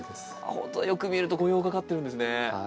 本当よく見ると模様かかっているんですね。